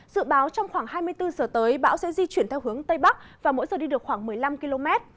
dự báo trong khoảng hai mươi bốn giờ tới bão sẽ di chuyển theo hướng tây bắc và mỗi giờ đi được khoảng một mươi năm km